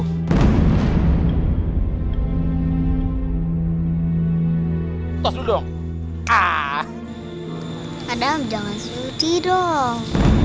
hai adam jangan suruh tidur